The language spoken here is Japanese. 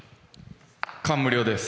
感無量です。